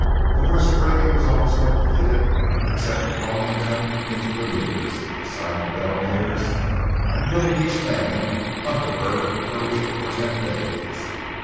The horse breaking was almost completed, except allotting them into remudas, assigning bell mares, and putting each band under herd for a week or ten days.